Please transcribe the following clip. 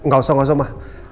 gak usah gak usah ma